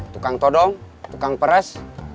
tukang todong tukang peres